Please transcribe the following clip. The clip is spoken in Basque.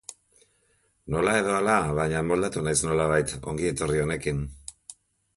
Nola edo hala, baina moldatu haiz nolabait Ongi etorri honekin.